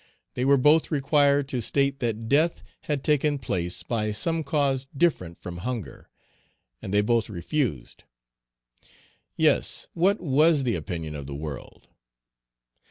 They were both required to state that death had taken place by some cause different from hunger, and they both refused! Yes; what was the opinion of the world?